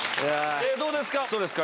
どうですか？